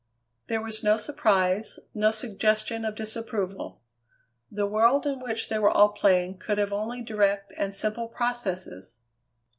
There was no surprise; no suggestion of disapproval. The world in which they were all playing could have only direct and simple processes.